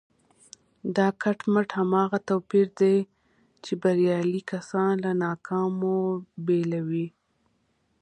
دا کټ مټ هماغه توپير دی چې بريالي کسان له ناکامو بېلوي.